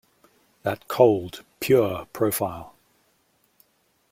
That cold, pure profile.